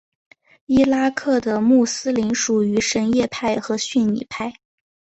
伊拉克的穆斯林属于什叶派和逊尼派。